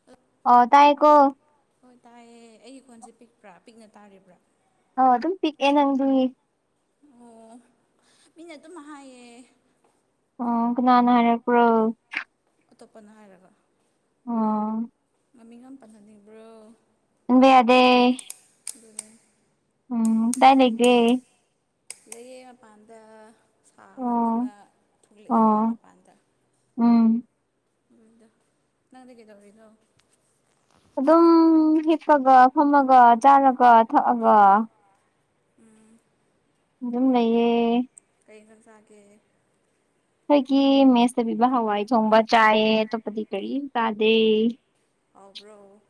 [inaudible] ꯑꯣ ꯇꯥꯏꯌꯦꯀꯣ ꯍꯣꯏ ꯇꯥꯏꯌꯦ ꯑꯩꯒꯤ ꯈꯣꯟꯁꯦ ꯄꯤꯛꯄ꯭ꯔꯥ ꯄꯤꯛꯅ ꯇꯥꯔꯤꯕ꯭ꯔꯥ ꯑꯣ ꯑꯗꯨꯝ ꯄꯤꯛꯑꯦ ꯅꯪꯗꯤ ꯑꯣ ꯃꯤꯅ ꯑꯗꯨꯝ ꯍꯥꯏꯌꯦ ꯑꯣ ꯀꯅꯥꯅ ꯍꯥꯏꯔꯛꯄ꯭ꯔꯣ ꯑꯇꯣꯞꯄꯅ ꯍꯥꯏꯔꯒ ꯑꯣ ꯃꯃꯤꯡ ꯌꯥꯝ ꯄꯜꯍꯟꯅꯤꯡꯕ꯭ꯔꯣ ꯄꯟꯕ ꯌꯥꯗꯦ ꯑꯗꯨꯅꯦ ꯎꯝ ꯀꯗꯥꯏꯂꯩꯒꯦ ꯂꯩꯌꯦ ꯃꯄꯥꯟꯗ ꯑꯣ ꯁꯥꯃꯟꯗꯅ ꯊꯣꯛꯂꯛꯑꯦꯕ ꯑꯣ ꯃꯄꯥꯟꯗ ꯎꯝ [inaudible] ꯅꯪꯗꯤ ꯀꯩꯗꯧꯔꯤꯅꯣ ꯑꯗꯨꯝ ꯍꯤꯞꯄꯒ ꯐꯝꯃꯒ ꯆꯥꯔꯒ ꯊꯛꯑꯒ ꯎꯝ ꯑꯗꯨꯝ ꯂꯩꯌꯦ ꯀꯩ ꯏꯟꯖꯥꯡ ꯆꯥꯒꯦ ꯑꯩꯈꯣꯏꯒꯤ ꯃꯦꯁꯇ ꯄꯤꯕ ꯍꯋꯥꯏ ꯊꯣꯡꯕ ꯆꯥꯏꯌꯦ ꯑꯇꯣꯞꯄꯗꯤ ꯀꯔꯤꯝ ꯆꯥꯗꯦ ꯍꯥꯎꯕ꯭ꯔꯣ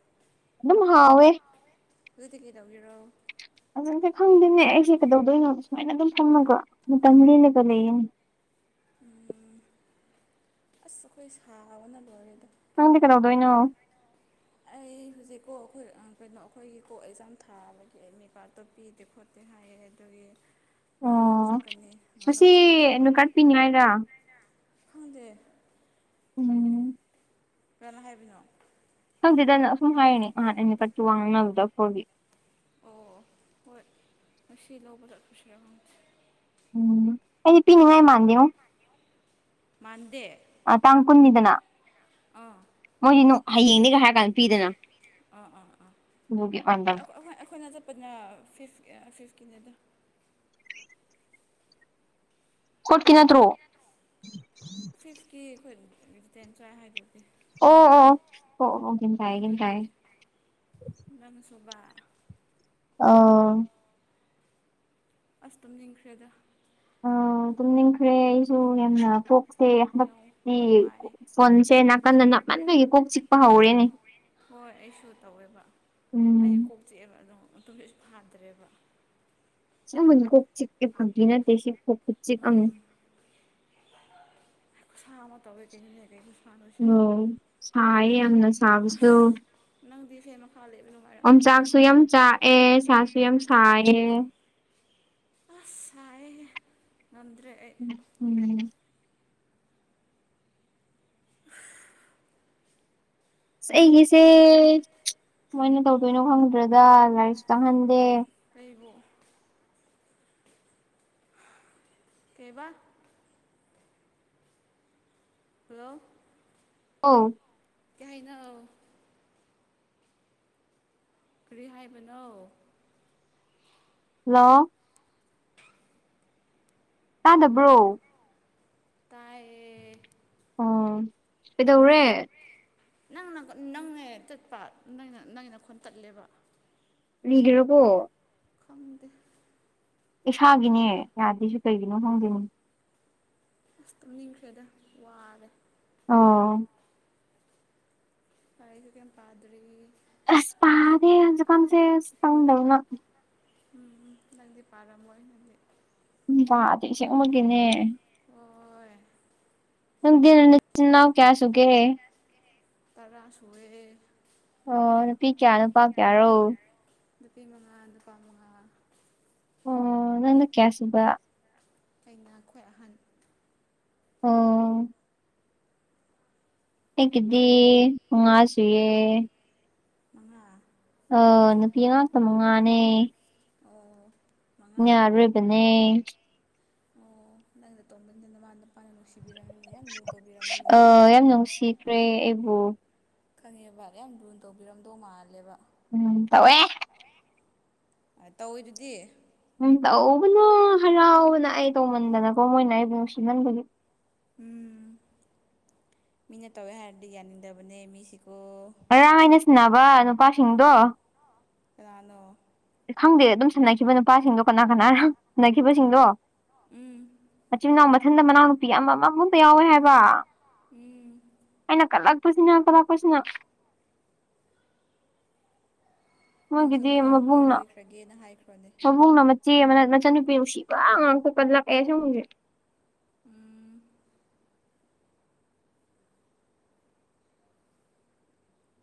ꯑꯗꯨꯝ ꯍꯥꯋꯦ ꯍꯧꯖꯤꯛꯇꯤ ꯀꯩꯗꯧꯔꯤꯔꯣ ꯍꯧꯖꯤꯛꯇꯤ ꯈꯪꯗꯦꯅꯦ ꯑꯩꯁꯦ ꯀꯩꯗꯧꯗꯣꯏꯅꯣ ꯁꯨꯃꯥꯏꯅ ꯑꯗꯨꯝ ꯐꯝꯃꯒ ꯃꯇꯝ ꯂꯦꯜꯂꯒ ꯂꯩꯌꯦꯅꯦ ꯎꯝ ꯑꯁ ꯑꯈꯣꯏ ꯁꯥꯕꯅ ꯂꯣꯏꯔꯦꯗ ꯅꯪꯗꯤ ꯀꯩꯗꯧꯗꯣꯏꯅꯣ ꯑꯩ ꯍꯧꯖꯤꯛꯀꯣ ꯑꯩꯈꯣꯏ ꯀꯩꯅꯣ ꯑꯩꯈꯣꯏꯒꯤ ꯀꯣ ꯑꯦꯛꯖꯥꯝ ꯊꯥꯕꯒꯤ ꯑꯦꯠꯃꯤꯠ ꯀꯥꯔꯠꯇꯣ ꯄꯤꯗꯦ ꯈꯣꯠ ꯇꯦ ꯍꯥꯏꯌꯦ ꯑꯗꯨꯒꯤ ꯉꯥꯡꯅꯕ ꯑꯣ ꯆꯠꯀꯅꯤ ꯉꯁꯤ ꯉꯥꯡꯅꯕ ꯆꯠꯀꯦ ꯇꯧꯕ ꯅꯨꯀꯠꯄꯤꯅꯤꯉꯥꯏꯔ [inaudible] ꯈꯪꯗꯦ ꯎꯝ ꯀꯅꯥ ꯍꯥꯏꯕꯤꯅꯣ ꯈꯪꯗꯦꯗ ꯑꯁꯨꯝ ꯍꯥꯏꯔꯤꯅꯤ ꯉꯍꯥꯟ ꯑꯩꯅ [unintelligible] ꯉꯥꯡꯅꯕꯗ [unintelligible] ꯑꯣ ꯍꯣꯏ ꯉꯁꯤ ꯂꯧꯕ ꯂꯥꯛꯄꯁꯨ ꯌꯥꯍꯧꯗꯦ ꯎꯝ ꯑꯩꯗꯤ ꯄꯤꯅꯤꯡꯉꯥꯏ ꯃꯥꯥꯟꯗꯦꯉꯣ꯫ ꯃꯥꯟꯗꯦ꯫ ꯇꯥꯡ ꯀꯨꯟꯅꯤꯗꯅ ꯑꯥ ꯃꯣꯏꯒꯤ ꯅꯨꯡ ꯍꯥꯌꯦꯡꯅꯦꯒ ꯍꯥꯏꯔ ꯀꯥꯟꯗ ꯄꯤꯗꯅ꯫ ꯑꯥ ꯑꯥ ꯑꯥ ꯑꯗꯨꯒꯤ ꯃꯥꯟꯗꯕ ꯑꯩꯈꯣꯏ ꯑꯩꯈꯣꯏꯅ ꯆꯠꯄꯅ ꯐꯤꯐ ꯑꯥ ꯐꯤꯐꯀꯤꯅꯤꯗ꯫ ꯀꯣꯠ ꯀꯤ ꯅꯠꯇ꯭ꯔꯣ? ꯐꯤꯐꯀꯤ ꯑꯩꯈꯣꯏ [unintelligible] ꯆꯥꯏ ꯍꯥꯏꯗꯨꯗꯤ꯫ ꯑꯣ ꯑꯣ ꯑꯣ ꯑꯣ ꯑꯣ ꯒ꯭ꯌꯥꯟ ꯇꯥꯌꯦ ꯒ꯭ꯌꯥꯟ ꯇꯥꯌꯦ꯫ ꯥꯅꯪꯅ ꯁꯨꯕ꯫ ꯑꯥ ꯑꯁ ꯇꯨꯝꯅꯤꯡꯈ꯭ꯔꯦꯗ꯫ ꯑꯥ ꯇꯨꯝꯅꯤꯡꯈ꯭ꯔꯦ ꯑꯩꯁꯨ ꯌꯥꯝꯅ ꯌꯥꯝ ꯍꯟꯗꯛꯇꯤ ꯌꯥꯝ ꯋꯥꯏ ꯐꯣꯟꯁꯦ ꯅꯥꯀꯟꯗ ꯅꯞꯃꯟꯕꯒꯤ ꯀꯣꯛ ꯆꯤꯛꯄ ꯍꯧꯔꯦꯅꯦ꯫ ꯍꯣꯏ ꯑꯩꯁꯨ ꯇꯧꯋꯦꯕ ꯎꯝ ꯑꯩ ꯀꯣꯛꯆꯤꯛꯑꯦꯕ ꯑꯗꯣ ꯇꯨꯝꯁꯤꯠꯁꯨ ꯐꯥꯗ꯭ꯔꯦꯕ꯫ ꯑꯁꯦꯡꯕꯅꯦ ꯀꯣꯛ ꯆꯤꯛꯑꯦ ꯐꯥꯒꯤ ꯅꯠꯇꯦ ꯁꯤ ꯀꯣꯛꯄ ꯆꯤꯛ ꯎꯝ ꯑꯃꯅꯤ꯫ ꯈꯨꯁꯥ ꯑꯃ ꯇꯧꯋꯦ ꯀꯩꯅꯣꯅꯦ ꯑꯗꯒꯤ ꯑꯣ ꯁꯥꯌꯦ ꯌꯥꯝꯅ ꯁꯥꯕꯁꯨ꯫ ꯑꯁ ꯅꯪꯗꯤ ꯐꯦꯟ ꯃꯈꯥ ꯂꯩꯕ ꯅꯨꯡꯉꯥꯏꯔꯝꯅꯤꯅꯦ꯫ ꯑꯣꯝꯆꯥꯛꯁꯨ ꯌꯥꯝ ꯆꯥꯛ ꯑꯦ ꯁꯥꯁꯨꯨ ꯌꯥꯝ ꯁꯥꯌꯦ꯫ ꯑꯁ ꯁꯥꯌꯦꯍꯦ ꯉꯝꯗ꯭ꯔꯦ ꯑꯩ꯫ [unintelligible] ꯑꯩꯒꯤꯁꯦ ꯀꯃꯥꯏꯅ ꯇꯧꯗꯣꯏꯅꯣ ꯈꯪꯗ꯭ꯔꯗ ꯂꯥꯏꯔꯤꯛꯁꯨ ꯇꯥꯛꯍꯟꯗꯦ꯫ ꯀꯩꯕꯨ? ꯀꯩꯕꯥ? ꯍꯜꯂꯣ! ꯑꯣ꯫ ꯀꯩ ꯍꯥꯏꯅꯣ꯫ ꯀꯔꯤ ꯍꯥꯏꯕꯅꯣ? ꯍꯜꯂꯣ! ꯇꯥꯗꯕ꯭ꯔꯣ? ꯇꯥꯏꯌꯦ꯫ ꯑꯣ ꯀꯩꯗꯧꯔꯦ? ꯅꯪꯅꯒ ꯅꯪꯅꯦ ꯇꯠꯄ ꯅꯪꯅ ꯅꯪ ꯅꯈꯣꯟ ꯇꯠꯂꯦꯕ꯫ ꯔꯤꯒ꯭ꯔꯕꯣ? ꯈꯪꯗꯦ꯫ ꯏꯁꯥꯒꯤꯅꯦ ꯌꯥꯗ꯭ꯔꯤꯁꯦ ꯀꯔꯥꯒꯤꯅꯣ ꯈꯪꯗꯦꯅꯦ꯫ ꯑꯁ ꯇꯨꯝꯅꯤꯡꯈ꯭ꯔꯦꯗ ꯋꯥꯔꯦ꯫ ꯑꯥ ꯂꯥꯏꯔꯤꯛꯁꯨ ꯀꯔꯤꯝ ꯄꯥꯗ꯭ꯔꯤ꯫ ꯑꯁ ꯄꯥꯗꯦ ꯍꯧꯖꯤꯛꯀꯥꯟꯁꯦ ꯅꯪꯗꯧꯅ꯫ ꯎꯝ ꯎꯝ ꯅꯪꯗꯤ ꯄꯥꯔꯝꯃꯣꯏ ꯅꯪꯗꯤ꯫ ꯎꯝ ꯄꯥꯗꯦ ꯑꯁꯦꯡꯃꯛꯀꯤꯅꯦ꯫ ꯍꯣꯏ ꯅꯪꯗꯤ ꯅꯆꯤꯟ ꯅꯥꯅꯥꯎ ꯀꯌꯥ ꯁꯨꯨꯒꯦ? ꯇꯔꯥ ꯁꯨꯋꯦ꯫ ꯑꯣ ꯅꯨꯄꯤ ꯀꯌꯥ ꯅꯨꯄꯥ ꯀꯌꯥ ꯔꯣ꯫ ꯅꯨꯄꯤ ꯃꯉꯥ ꯅꯨꯄꯥ ꯃꯉꯥ ꯍꯣ ꯅꯪꯅ ꯀꯌꯥ ꯁꯨꯕ ꯑꯩꯅ ꯈ꯭ꯋꯥꯏ ꯑꯍꯟ ꯑꯣ ꯑꯩꯒꯤꯗꯤ ꯃꯉꯥꯁꯨꯏꯌꯦ ꯃꯉꯥ ꯑꯥ ꯅꯨꯄꯤ ꯉꯥꯛꯇ ꯑꯣ ꯃꯉꯥꯅꯦ ꯑꯣ ꯑꯩꯅ ꯃꯉꯥ ꯑꯔꯣꯏꯕꯅꯦ ꯑꯣ ꯅꯪꯅ ꯇꯣꯟꯕꯅꯤꯅ ꯅꯃꯥ ꯅꯨꯄꯥꯅ ꯅꯨꯡꯁꯤꯕꯤꯔꯅꯤꯅꯦ ꯌꯥꯝ ꯂꯨ ꯇꯧꯕꯤꯔꯝꯅꯤꯅꯦ ꯈ꯭ꯔꯦ ꯑꯩꯕꯨ ꯈꯪꯉꯦꯕ ꯌꯥꯝ ꯂꯨ ꯇꯧꯕꯤꯔꯝꯗꯧ ꯃꯥꯜꯂꯦꯕ ꯎꯝ ꯇꯧꯋꯦ ꯇꯧꯋꯦ ꯑ ꯇꯧꯋꯤꯗꯨꯗꯤ ꯎꯝ ꯇꯧꯕꯅ ꯍꯔꯥꯎꯕꯅ ꯑꯩ ꯇꯧꯃꯟꯗꯅꯀꯣ ꯃꯣꯏꯅ ꯑꯩꯕꯨ ꯅꯨꯡꯁꯤꯃꯟꯕꯒꯤ ꯎꯝ ꯃꯤꯅ ꯇꯧꯋꯦ ꯍꯥꯏꯔꯗꯤ ꯌꯥꯅꯤꯡꯗꯕꯅꯦ ꯃꯤꯁꯤꯀꯣ ꯉꯔꯥꯡ ꯑꯩꯅ ꯁꯥꯟꯅꯕ ꯅꯨꯄꯥꯁꯤꯡꯗꯣ ꯀꯥꯅꯅꯣ ꯈꯪꯗꯦ ꯑꯗꯨꯝ ꯁꯥꯟꯅꯈꯤꯕ ꯅꯨꯄꯥꯁꯤꯡꯗꯣ ꯀꯅꯥ ꯀꯅꯥ ꯅꯣ ꯁꯥꯟꯅꯈꯤꯕꯁꯤꯡꯗꯣ ꯎꯝ ꯃꯆꯤꯟ ꯃꯅꯥꯎ ꯃꯊꯟꯗ ꯃꯅꯥꯎꯅꯨꯄꯤ ꯑꯃ ꯑꯃꯃꯨꯛꯇ ꯌꯥꯎꯋꯦ ꯍꯥꯏꯕ ꯢ ꯑꯩꯅ ꯀꯜꯂꯛꯄꯁꯤꯅ ꯀꯜꯂꯛꯄꯁꯤꯅ ꯅꯪꯁꯨ ꯃꯣꯏꯒꯤꯗꯤ ꯃꯅꯥꯎꯅꯨꯄꯤ ꯑꯣꯏꯈ꯭ꯔꯒꯦꯅ ꯍꯥꯏꯈ꯭ꯔꯣꯅꯦ ꯕꯨꯡꯅ ꯃꯆꯦ ꯃꯆ ꯃꯆꯟꯅꯨꯄꯤ ꯅꯨꯡꯁꯤꯕ ꯉꯥꯛꯇ ꯀꯜꯂꯛꯑꯦ ꯁꯨꯝ ꯎꯝ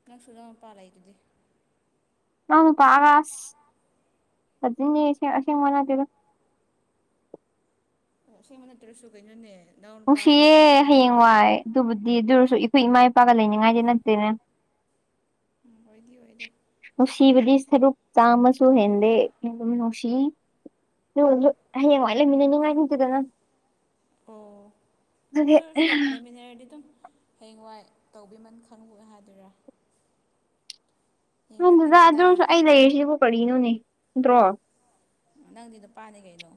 ꯅꯪꯁꯨ ꯅꯅꯥꯎꯅꯨꯄꯥ ꯂꯩꯗꯨꯗꯤ ꯏꯅꯥꯎꯅꯨꯄꯥꯒ ꯑꯁ ꯑꯗꯨꯅꯦ ꯑꯁꯦꯡ ꯑꯁꯦꯡꯕ ꯅꯠꯇꯦꯗ ꯑꯣ ꯑꯁꯦꯡꯕ ꯅꯠꯇ꯭ꯔꯁꯨ ꯀꯩꯅꯣꯅꯦ ꯅꯅꯥꯎ ꯅꯨꯡꯁꯤꯌꯦ ꯅꯨꯄꯥꯃꯛ ꯉꯥꯏꯔꯒ ꯍꯌꯦꯡꯋꯥꯏ ꯈꯜꯂꯣꯅ ꯑꯗꯨꯕꯨꯗꯤ ꯑꯗꯨꯑꯣꯏꯔꯁꯨ ꯏꯈꯣꯏ ꯏꯃꯥ ꯏꯄꯥꯒ ꯂꯩꯅꯤꯡꯉꯥꯏꯗꯤ ꯅꯠꯇꯦꯅꯦ ꯎꯝ ꯑꯣꯏꯗꯤ ꯑꯣꯏꯗꯦ ꯅꯨꯡꯁꯤꯕꯗꯤ ꯁꯔꯨꯛ ꯆꯥꯝꯃꯁꯨ ꯍꯦꯟꯗꯦ ꯑꯗꯨꯝ ꯅꯨꯡꯁꯤ ꯑꯗꯨꯑꯣꯏꯁꯨ ꯍꯌꯦꯡꯋꯥꯏ ꯂꯩꯃꯤꯟꯅꯅꯤꯡꯉꯥꯏ ꯅꯠꯇꯦꯗꯅ ꯑꯣ ꯑꯗꯨꯗꯤ ꯑꯗꯨ ꯑꯣꯏꯔꯁꯨ ꯂꯩꯃꯤꯟꯅꯔꯗꯤ ꯑꯗꯨꯝ ꯍꯌꯦꯡꯋꯥꯏ ꯇꯧꯕꯤꯃꯟ ꯈꯪꯉꯣꯏ ꯍꯥꯏꯗꯨꯔꯥ ꯌꯨꯝꯗꯨꯗ ꯌꯦꯡꯔꯛꯀꯅꯤꯗ ꯑꯗꯨꯝ ꯑꯩ ꯂꯩꯔꯤꯁꯤꯕꯨ ꯀꯔꯤꯅꯣꯅꯦ ꯅꯠꯇ꯭ꯔꯣ ꯅꯪꯗꯤ ꯅꯨꯄꯥꯅꯤ ꯀꯩꯅꯣ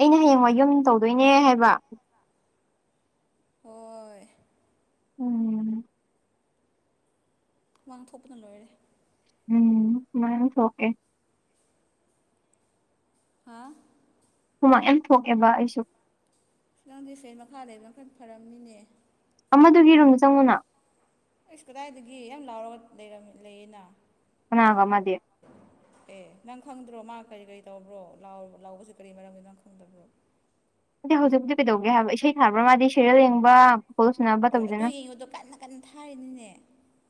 ꯑꯩꯅ ꯍꯌꯦꯡꯋꯥꯢ ꯌꯨꯝ ꯇꯧꯗꯣꯏꯅꯦ ꯍꯥꯏꯕ ꯍꯣꯏ ꯎꯝ ꯍꯨꯃꯥꯡ ꯊꯣꯛꯄꯅ ꯂꯣꯏꯔꯦ ꯎꯝ ꯃꯌꯥꯝ ꯊꯣꯛꯀꯦ ꯍꯥꯥ ꯍꯨꯃꯥꯡ ꯌꯥꯝ ꯊꯣꯛꯑꯦꯕ ꯑꯩꯁꯨ ꯅꯪꯗꯤ ꯐꯦꯟ ꯃꯈꯥ ꯂꯩꯕꯅꯤꯅ ꯈꯔ ꯐꯔꯝꯅꯤꯅꯦ ꯑꯃꯗꯨꯒꯤ ꯔꯨꯝ ꯆꯪꯉꯨꯅ ꯑꯩꯁ ꯀꯗꯥꯏꯗꯒꯤ ꯌꯥꯝ ꯂꯥꯎꯔꯒ ꯂꯩꯔꯝ ꯂꯩꯌꯦꯅ ꯀꯅꯥꯒ ꯑꯃꯗꯤ꯫ ꯑꯦ ꯅꯪ ꯈꯪꯗ꯭ꯔꯣ ꯃꯥ ꯀꯔꯤ ꯀꯔꯤ ꯇꯧꯕ꯭ꯔꯣ ꯂꯥꯎ ꯂꯥꯎꯕꯁꯤ ꯀꯔꯤ ꯃꯔꯝꯒꯤꯅꯪ ꯈꯪꯗꯕ꯭ꯔꯣ? ꯗꯤ ꯍꯧꯖꯤꯛꯇꯤ ꯀꯩꯗꯧꯒꯦ ꯍꯥꯏꯕ ꯏꯁꯩ ꯊꯥꯕ꯭ꯔꯥ ꯃꯥꯗꯤ ꯁꯤꯔꯦꯜ ꯌꯦꯡꯕ ꯐꯨꯠꯕꯣꯜ ꯁꯥꯟꯅꯕ ꯍꯣꯏ ꯑꯗꯨ ꯇꯧꯋꯤꯗꯅ ꯌꯦꯡꯉꯣꯗꯣ ꯀꯟꯅ ꯀꯟꯅ ꯊꯥꯔꯤꯅꯤꯅꯦ꯫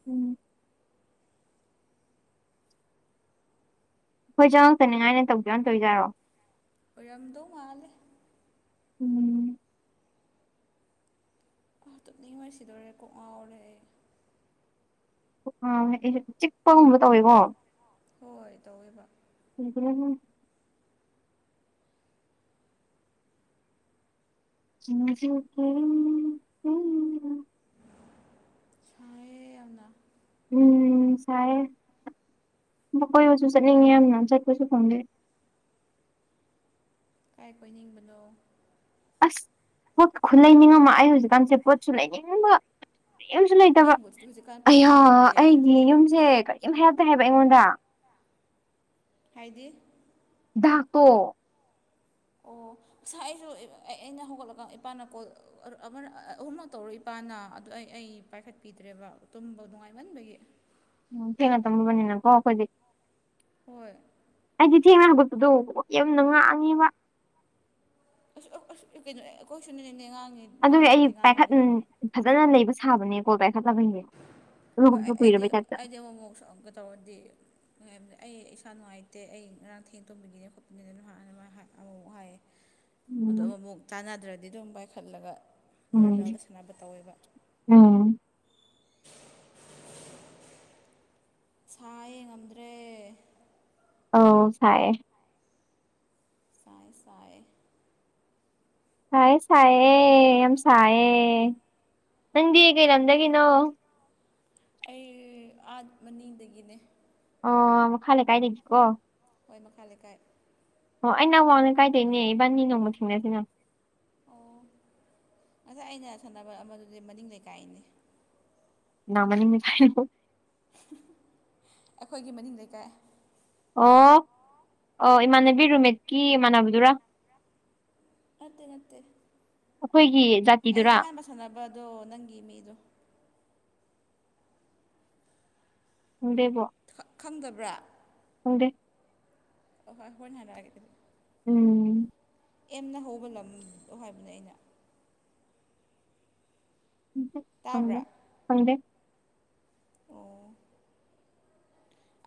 ꯎꯝ ꯑꯈꯣꯏ ꯆꯉꯛꯇ ꯅꯤꯉꯥꯏꯅꯦꯅ ꯇꯧꯒꯦꯅ ꯌꯥꯎꯅ ꯇꯧꯏꯖꯥꯔꯣ꯫ ꯑꯣꯏꯔꯝꯗꯧ ꯃꯥꯜꯂꯦ꯫ ꯎꯝ ꯑꯥ ꯇꯨꯝꯅꯤꯡꯕꯅ ꯁꯤꯗꯣꯔꯦ ꯀꯣꯛ ꯉꯥꯎꯔꯦ ꯑꯩ꯫ ꯑꯥ ꯍꯥꯢꯗꯤ ꯆꯤꯛꯄꯒꯨꯝꯕ ꯇꯧꯋꯦꯀꯣ? ꯍꯣꯏ ꯇꯧꯋꯦꯕ꯫ [unintelligible] [unintelligible] ꯁꯥꯢꯌꯦ ꯌꯥꯝꯅ꯫ ꯎꯝ ꯁꯥꯏꯌꯦ ꯀꯣꯏꯕꯁꯨ ꯆꯠꯅꯤꯡꯉꯦ ꯌꯥꯝꯅ ꯆꯠꯄꯁꯨ ꯐꯪꯗꯦ꯫ ꯀꯥꯏ ꯀꯣꯏꯅꯤꯡꯕꯅꯣ? ꯑꯁ ꯄꯣꯠ ꯈꯨ ꯂꯩꯅꯤꯡ ꯑꯃ ꯑꯩ ꯍꯧꯖꯤꯛꯀꯥꯟꯁꯦ ꯄꯣꯠꯁꯨ ꯂꯩꯅꯤꯡꯕ꯫ ꯀꯩꯝꯁꯨ ꯂꯩꯇꯕ ꯑꯩ ꯕꯣꯠꯁꯤꯗꯤ ꯍꯧꯖꯤꯛꯀꯥꯟ ꯄꯥꯛ ꯑꯌꯥ ꯄꯥꯝꯗꯦ ꯑꯩꯒꯤ ꯌꯨꯝꯁꯦ ꯀꯔꯤꯝ ꯍꯥꯏꯔꯛꯇꯦ ꯍꯥꯏꯕ ꯑꯩꯉꯣꯟꯗ꯫ ꯍꯥꯏꯗꯤ ꯗꯥꯛꯇꯣ꯫ ꯑꯣ ꯉꯁꯥꯢ ꯑꯩꯁꯨ ꯑꯩꯅ ꯍꯧꯒꯠꯂꯒ ꯏꯄꯥꯅ ꯀꯣꯜ ꯑꯃꯔ ꯑꯍꯨꯝꯔꯛ ꯇꯧꯔꯦ ꯏꯄꯥꯅ ꯑꯗꯨꯗ ꯑꯩ ꯑꯩ ꯄꯥꯏꯈꯠꯄꯤꯗ꯭ꯔꯦꯕ ꯇꯨꯝꯕ ꯅꯨꯡꯉꯥꯏꯃꯟꯕꯒꯤ꯫ ꯊꯦꯡꯅ ꯇꯨꯝꯕꯅꯤꯅꯀꯣ ꯑꯈꯣꯢꯗꯤ꯫ ꯍꯣꯏ ꯑꯩꯗꯤ ꯊꯦꯡꯅ ꯍꯧꯒꯠꯄꯗꯣ ꯌꯨꯝꯅ ꯉꯥꯡꯉꯤꯕ꯫ ꯑꯁ ꯑꯁ ꯀꯩꯅꯣ ꯑꯩꯈꯣꯏꯁꯨꯅꯤꯅꯦ ꯉꯥꯡꯉꯤ꯫ ꯑꯗꯨꯒꯤ ꯑꯩ ꯉꯥꯡꯕꯗꯤ ꯄꯥꯏꯈꯠ ꯉꯥꯡꯕꯅꯤꯅ ꯐꯖꯅ ꯂꯩꯕ ꯁꯥꯕꯅꯦ ꯀꯣꯜ ꯄꯥꯏꯈꯠ ꯇꯕꯒꯤ꯫ ꯍꯣꯏ ꯑꯩꯗꯤ ꯑꯩꯗꯤ ꯑꯃꯨꯛ ꯃꯨꯛ ꯁꯪꯀ ꯇꯧꯔꯗꯤ꯫ ꯑꯩ ꯏꯁꯥ ꯅꯨꯡꯉꯥꯏꯇꯦ ꯑꯩ ꯉꯔꯥꯡ ꯊꯦꯡ ꯇꯨꯝꯕꯒꯤꯅꯦ ꯈꯣꯠꯄꯒꯤꯅꯦ ꯑꯗꯨꯝ ꯍꯥꯢ ꯑꯃꯨꯛ ꯃꯨꯛ ꯍꯥꯏꯌꯦ꯫ [inaudible] ꯎꯝ ꯑꯃꯨ ꯃꯨꯛ ꯆꯥꯟꯅꯗ꯭ꯔꯗꯤ ꯑꯗꯨꯝ ꯄꯥꯏꯈꯠꯂꯒ ꯎꯝ ꯅꯣꯔꯃꯦꯜꯒ ꯁꯥꯟꯅꯕ ꯇꯧꯋꯦꯕ꯫ ꯎꯝ ꯁꯥꯢꯌꯦ ꯉꯝꯗ꯭ꯔꯦ꯫ ꯑꯧ ꯁꯥꯏꯌꯦ꯫ ꯁꯥꯏꯌꯦ ꯁꯥꯏꯌꯦ꯫ ꯁꯥꯌꯦ ꯁꯥꯏꯌꯦ ꯌꯥꯝ ꯁꯥꯏꯌꯦ꯫ ꯅꯪꯗꯤ ꯀꯩ ꯂꯝꯗꯒꯤꯅꯣ? ꯑꯩ ꯑꯥꯠ ꯃꯅꯤꯡꯗꯒꯤꯅꯦ꯫ ꯑꯣ ꯃꯈꯥ ꯂꯩꯀꯥꯏꯗꯒꯤꯀꯣ? ꯍꯣꯏ ꯃꯈꯥ ꯂꯩꯀꯥꯏ꯫ ꯑꯣ ꯑꯩꯅ ꯑꯋꯥꯡ ꯂꯩꯀꯥꯏꯗꯩꯅꯦ ꯏꯕꯥꯟꯅꯤ ꯅꯣꯡꯃ ꯊꯦꯡꯅꯁꯤꯅ꯫ ꯑꯣ ꯑꯗꯣ ꯑꯩꯅ ꯁꯥꯟꯅꯕ ꯑꯃꯗꯨꯗꯤ ꯃꯅꯤꯡ ꯂꯩꯀꯥꯏꯅꯦ꯫ ꯅꯥ ꯃꯅꯤꯡ ꯂꯩꯀꯥꯏ [unintelligible] ꯑꯩꯈꯣꯏꯒꯤ ꯃꯅꯤꯡ ꯂꯩꯀꯥꯏ꯫ ꯑꯣ ꯑꯣ ꯏꯃꯥꯟꯅꯕꯤ ꯔꯨꯝꯃꯦꯠꯀꯤ ꯏꯃꯥꯟꯅꯕꯗꯨꯔ ꯅꯠꯇꯦ ꯅꯠꯇꯦ ꯑꯩꯈꯣꯏꯒꯤ ꯑꯩꯅ ꯖꯥꯇꯤꯗꯨꯔꯥ ꯑꯍꯥꯟꯕ ꯁꯥꯟꯅꯕꯗꯣ ꯅꯪꯒꯤ ꯃꯤꯗꯣ [unintelligible] ꯈꯪꯗꯕ꯭ꯔꯥ ꯈꯪꯗꯦ ꯍꯣꯏ ꯍꯣꯔꯦꯟ ꯍꯥꯏꯔꯛꯑꯥꯒꯦ ꯑꯗꯨꯗꯤ ꯎꯝ ꯑꯦꯝꯅ ꯍꯧꯕ ꯂꯝꯗꯣ ꯍꯥꯏꯕꯅꯦ ꯑꯩꯅ ꯈꯪꯗꯦ ꯇꯥꯕ꯭ꯔꯥ ꯈꯪꯗꯦ ꯑꯣ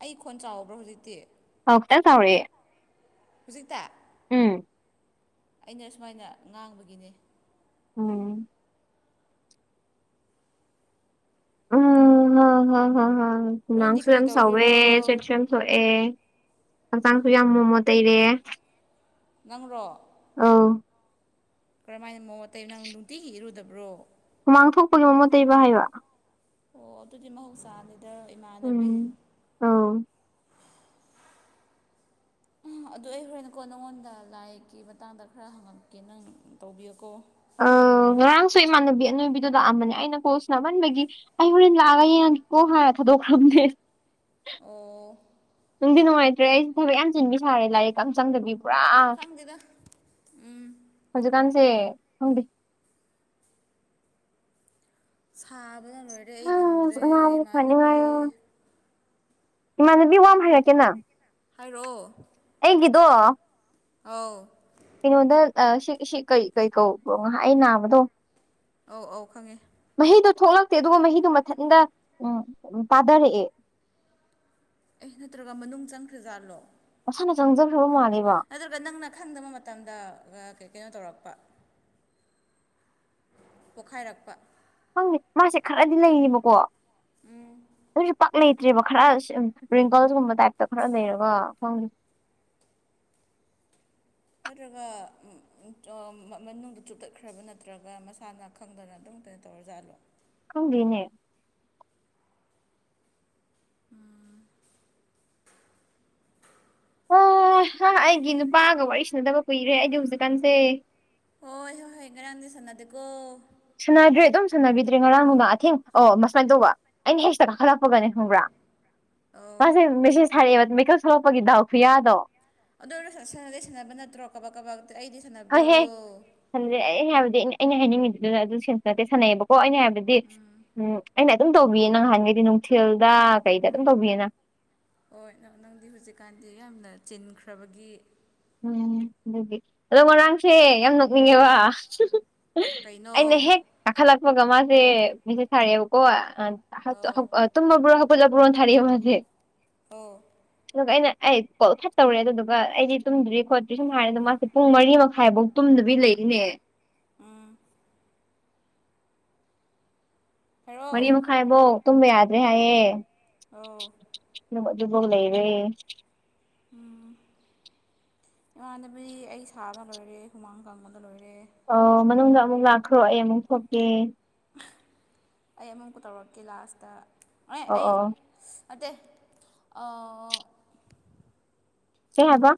ꯑꯩ ꯈꯣꯟ ꯆꯥꯎꯕ꯭ꯔꯣ ꯍꯧꯖꯤꯛꯇꯤ ꯑꯥꯎ ꯈꯤꯇꯪ ꯆꯥꯎꯔꯛꯑꯦ ꯍꯧꯖꯤꯛꯇ ꯎꯝ ꯑꯩꯅ ꯁꯨꯃꯥꯏꯅ ꯉꯥꯡꯕꯒꯤꯅꯦ [unintelligible] ꯎꯝ [unintelligible] ꯍꯣꯔꯦꯟꯗꯤ ꯍꯨꯃꯥꯡꯁꯨ ꯀꯔꯤ ꯌꯥꯝ ꯁꯧꯑꯦ ꯇꯧꯒꯦꯔꯣ ꯁꯦꯛꯁꯟ ꯊꯣꯛꯑꯦ ꯍꯛꯆꯥꯡꯁꯨ ꯌꯥꯝ ꯃꯣꯠꯃꯣꯠ ꯇꯩꯔꯦ ꯅꯪꯔꯣ ꯑꯧ ꯀꯔꯝ ꯍꯥꯏꯅ ꯃꯣꯠꯃꯣꯠ ꯇꯩ ꯅꯪ ꯅꯨꯡꯇꯤꯒꯤ ꯏꯔꯨꯗꯕ꯭ꯔꯣ ꯍꯨꯃꯥꯡ ꯊꯣꯛꯄꯒꯤ ꯃꯣꯃꯣꯠ ꯇꯩꯕ ꯍꯥꯏꯕ ꯑꯣ ꯑꯗꯨꯗꯤ ꯃꯍꯧꯁꯥꯅꯤꯗ ꯏꯃꯥꯟꯅꯕꯤ ꯎꯝ ꯑꯧ ꯑꯗꯨ ꯑꯩ ꯍꯣꯔꯦꯟꯅꯀꯣ ꯅꯪꯉꯣꯟꯗ ꯂꯥꯏꯒꯤ ꯃꯇꯥꯡꯗ ꯈꯥꯔ ꯍꯪꯉꯛꯀꯦ ꯅꯪ ꯇꯧꯕꯤꯌꯨꯀꯣ ꯑꯥ ꯉꯔꯥꯡꯁꯨ ꯏꯃꯥꯟꯅꯕꯤ ꯑꯅꯣꯏꯕꯤꯗꯨ ꯂꯥꯛꯑꯝꯕꯅꯦ ꯑꯩꯅ ꯀꯣꯜ ꯁꯥꯟꯅꯃꯟꯕꯒꯤ ꯑꯩ ꯍꯣꯔꯦꯟ ꯂꯥꯛꯑꯥꯒ ꯌꯦꯡꯉꯒꯦꯀꯣ ꯍꯥꯏꯔ ꯊꯗꯣꯛꯈ꯭ꯔꯥꯕꯅꯦ ꯑꯣ ꯅꯨꯡꯗꯤ ꯅꯨꯡꯉꯥꯏꯇ꯭ꯔꯦ ꯑꯩꯁꯨ ꯊꯕꯛ ꯌꯥꯝ ꯆꯤꯟꯕꯤ ꯁꯥꯔꯦ ꯂꯥꯏꯔꯤꯛꯀ ꯑꯝ ꯆꯪꯗꯕꯤ ꯄꯨꯔꯥ ꯈꯪꯗꯦꯗ ꯎꯝ ꯍꯧꯖꯤꯛꯀꯥꯟꯁꯦ ꯈꯪꯗꯦ ꯁꯥꯕꯅ ꯂꯣꯏꯔꯦ ꯑꯩ ꯑꯁ ꯉꯝꯗ꯭ꯔꯦ ꯑꯅꯥꯕꯁꯦ ꯏꯃꯥꯟꯅꯕꯤ ꯐꯅꯤꯡꯉꯥꯏꯔꯣ ꯏꯃꯥꯟꯅꯕꯤ ꯋꯥ ꯑꯃ ꯍꯥꯏꯔꯛꯀꯦꯅ ꯍꯥꯏꯔꯛꯑꯣ ꯑꯩꯒꯤꯗꯣ ꯑꯧ ꯀꯩꯅꯣꯗ ꯑꯥ ꯁꯤ ꯁꯤ ꯀꯔꯤ ꯀꯩ ꯀꯧꯕ꯭ꯔꯥ ꯅꯍꯥꯟ ꯑꯩ ꯅꯥꯕꯗꯣ ꯑꯧ ꯑꯧ ꯈꯪꯉꯦ ꯃꯍꯤꯗꯣ ꯊꯣꯛꯂꯛꯇꯦ ꯑꯗꯨꯒ ꯃꯍꯤꯗꯣ ꯃꯊꯟꯇ ꯎꯝ ꯄꯥꯗꯥꯔꯛꯑꯦ ꯑꯦ ꯅꯠꯇ꯭ꯔꯒ ꯃꯅꯨꯡ ꯆꯪꯈ꯭ꯔꯖꯥꯠꯂꯣ ꯃꯁꯥꯅ ꯆꯪꯖꯈ꯭ꯔꯕ ꯃꯥꯜꯂꯦꯕ ꯑꯗꯨꯒ ꯅꯪꯅ ꯈꯪꯗꯕ ꯃꯇꯝꯗ ꯀꯩ ꯀꯩꯅꯣ ꯇꯧꯔꯛꯄ ꯄꯣꯈꯥꯏꯔꯛꯄ ꯈꯪꯗꯦ ꯃꯥꯏꯁꯦ ꯈꯔꯗꯤ ꯂꯩꯌꯤꯕꯀꯣ ꯑꯗꯨꯁꯨ ꯄꯥꯛ ꯂꯩ ꯂꯩꯇꯦꯕ ꯈꯔ ꯄꯤꯝꯄꯜꯀꯨꯝꯕ ꯇꯥꯏꯞꯇ ꯈꯥꯔ ꯂꯩꯔꯒ ꯈꯪꯗꯦ ꯅꯠꯇ꯭ꯔꯒ ꯑꯝ ꯑꯥ ꯃꯅꯨꯡꯗ ꯆꯨꯞꯇꯠꯈ꯭ꯔꯕ ꯅꯠꯇ꯭ꯔꯒ ꯃꯁꯥꯅ ꯈꯪꯗꯅ ꯑꯗꯨꯝ ꯀꯩꯅꯣ ꯇꯧꯔꯖꯥꯠꯂꯣ ꯈꯪꯗꯦꯅꯦ ꯑꯣ ꯅꯪ ꯑꯩꯒꯤ ꯅꯨꯄꯥꯒ ꯋꯥꯔꯤ ꯁꯅꯗꯕ ꯀꯨꯏꯔꯦ ꯑꯩꯗꯤ ꯍꯧꯖꯤꯛꯀꯥꯟꯁꯦ ꯍꯣꯏ ꯍꯣꯏ ꯍꯣꯏ ꯉꯔꯥꯡꯗꯤ ꯁꯥꯟꯅꯗꯦꯀꯣ ꯁꯥꯟꯅꯗ꯭ꯔꯦ ꯑꯗꯨꯝ ꯁꯥꯟꯅꯕꯤꯗ꯭ꯔꯦ ꯉꯔꯥꯡ ꯅꯨꯡꯗꯥꯡ ꯑꯊꯦꯡ ꯑꯣ ꯃꯁꯨꯃꯥꯏꯅ ꯇꯧꯕ ꯑꯩꯅ ꯍꯦꯛꯁꯇ ꯀꯥꯈꯠꯂꯛꯄꯒꯅꯦ ꯈꯪꯕ꯭ꯔꯥ ꯑꯧ ꯃꯥꯖꯦ ꯃꯦꯁꯦꯁ ꯊꯥꯔꯛꯑꯦꯕ ꯃꯤꯀꯞ ꯊꯣꯛꯂꯛꯄꯒꯤ ꯗꯥꯎ ꯈꯨꯌꯥꯗꯣ ꯑꯗꯨꯑꯣꯏꯔꯁꯨ ꯁꯥꯟꯅꯗꯤ ꯁꯥꯟꯅꯕ ꯅꯠꯇ꯭ꯔꯣ ꯀꯕꯛ ꯀꯕꯛ ꯑꯩꯗꯤ ꯁꯥꯟꯅꯕ꯭ꯔꯣ ꯁꯥꯟꯅꯗꯦ ꯑꯩ ꯍꯥꯏꯕꯗꯤ ꯑꯩꯅ ꯍꯥꯏꯅꯤꯡꯉꯤꯕꯗꯨꯅ ꯑꯗꯨ ꯁꯦꯟꯇꯣ ꯅꯠꯇꯦ ꯁꯥꯟꯅꯩꯌꯦꯕꯀꯣ ꯑꯩꯅ ꯍꯥꯏꯕꯗꯤ ꯎꯝ ꯑꯩꯅ ꯑꯗꯨꯝ ꯇꯧꯕꯤꯌꯦ ꯅꯍꯥꯟꯒꯩꯗꯤ ꯅꯨꯡꯊꯤꯜꯗ ꯀꯩꯗ ꯑꯗꯨꯝ ꯇꯧꯕꯤꯌꯦꯅ ꯍꯣꯏ ꯅꯪ ꯅꯪꯗꯤ ꯍꯧꯖꯤꯛꯀꯥꯟꯗꯤ ꯌꯥꯝꯅ ꯆꯤꯟꯈ꯭ꯔꯕꯒꯤ ꯎꯝ ꯑꯗꯨꯒꯤ ꯑꯗꯣ ꯉꯔꯥꯡꯁꯦ ꯌꯥꯝ ꯅꯣꯛꯅꯤꯡꯉꯦꯕ ꯍꯨꯡ ꯍꯨꯡ ꯀꯩꯅꯣ ꯑꯩꯅ ꯍꯦꯛ ꯀꯥꯈꯠꯂꯛꯄꯒ ꯃꯥꯁꯦ ꯃꯤꯁꯦꯁ ꯊꯥꯔꯛꯑꯦ ꯍꯣꯏ ꯑ ꯍꯠ ꯑꯧ ꯍꯧꯒ ꯇꯨꯝꯂꯕ꯭ꯔꯣ ꯍꯧꯒꯠꯂꯕ꯭ꯔꯣ ꯊꯥꯔꯛꯑꯦꯕ ꯃꯥꯁꯦ ꯑꯧ ꯑꯗꯨꯒ ꯑꯩꯅ ꯑꯩ ꯀꯣꯜ ꯁꯠ ꯇꯧꯔꯦ ꯑꯗꯨꯗꯨꯒ ꯑꯩꯗꯤ ꯇꯨꯝꯗ꯭ꯔꯤ ꯈꯣꯠꯇ꯭ꯔꯤ ꯁꯨꯝ ꯍꯥꯏ ꯃꯥꯁꯦ ꯄꯨꯡ ꯃꯔꯤ ꯃꯈꯥꯏꯕꯨꯛ ꯇꯨꯝꯗꯕꯤ ꯂꯩꯕꯅꯦ ꯎꯝ ꯍꯥꯏꯔꯛꯑꯣ ꯃꯔꯤ ꯃꯈꯥꯏꯕꯧ ꯇꯨꯝꯕ ꯌꯥꯗ꯭ꯔꯦ ꯍꯥꯏꯌꯦ ꯑꯧ ꯑꯗꯨꯒ ꯑꯗꯨꯕꯧ ꯂꯩꯔꯦ ꯎꯝ ꯏꯃꯥꯟꯅꯕꯤ ꯑꯩ ꯁꯥꯕ ꯂꯣꯏꯔꯦ ꯍꯨꯃꯥꯡ ꯀꯥꯡꯕꯗ ꯂꯣꯏꯔꯦ ꯑꯣ ꯃꯅꯨꯡꯗ ꯑꯃꯨꯛ ꯂꯥꯛꯈ꯭ꯔꯣ ꯑꯩ ꯑꯃꯨꯛ ꯊꯣꯛꯀꯦ ꯑꯩ ꯑꯃꯨꯛꯀ ꯇꯧꯔꯛꯀꯦ ꯂꯥꯁꯇ ꯑꯦ ꯑꯣ ꯑꯩ ꯑꯣ ꯅꯠꯇꯦ ꯑꯥ ꯀꯩ ꯍꯥꯏꯕ